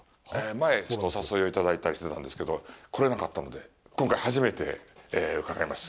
前、ちょっとお誘いをいただいたりしてたんですけど、来られなかったので、今回、初めて伺います。